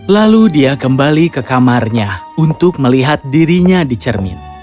lalu dia kembali ke kamarnya untuk melihat dirinya dicermin